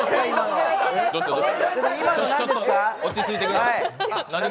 落ち着いてください。